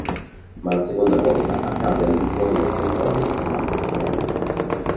Ma la seconda volta accadde al di fuori del controllo del Comando Supremo.